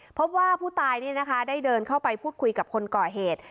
เพราะว่าผู้ตายนี่นะคะได้เดินเข้าไปพูดคุยกับคนก่อเหตุ